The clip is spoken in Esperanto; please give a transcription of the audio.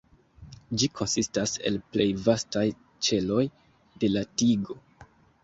Ĝi konsistas el plej vastaj ĉeloj de la tigo.